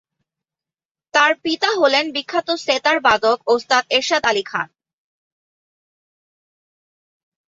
তার পিতার হলেন বিখ্যাত সেতার বাদক ওস্তাদ এরশাদ আলী খান।